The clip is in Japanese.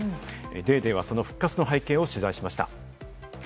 『ＤａｙＤａｙ．』はその復活の背景を取材しました。